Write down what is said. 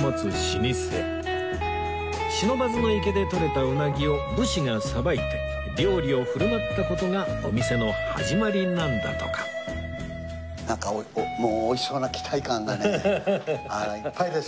不忍池でとれたうなぎを武士がさばいて料理を振る舞った事がお店の始まりなんだとかなんかもう美味しそうな期待感がねいっぱいです。